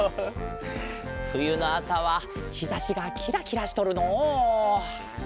ふゆのあさはひざしがキラキラしとるのう。